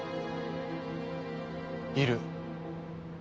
いる。